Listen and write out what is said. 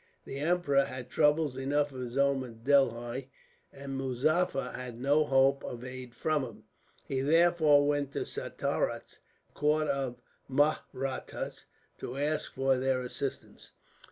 The emperor has troubles enough of his own at Delhi, and Muzaffar had no hope of aid from him. He therefore went to Satarah, the court of the Mahrattas, to ask for their assistance.